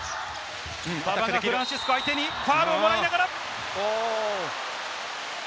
フランシスコ相手にファウルをもらいながら。